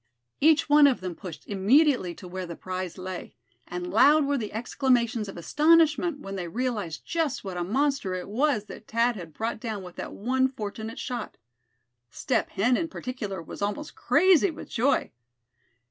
Each one of them pushed immediately to where the prize lay; and loud were the exclamations of astonishment when they realized just what a monster it was that Thad had brought down with that one fortunate shot. Step Hen in particular was almost crazy with joy.